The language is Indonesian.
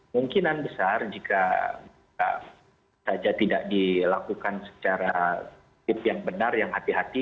mungkinan besar jika saja tidak dilakukan secara tip yang benar yang hati hati